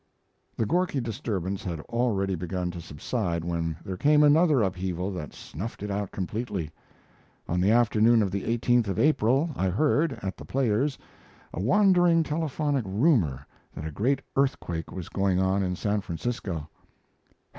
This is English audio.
] The Gorky disturbance had hardly begun to subside when there came another upheaval that snuffed it out completely. On the afternoon of the 18th of April I heard, at The Players, a wandering telephonic rumor that a great earthquake was going on in San Francisco.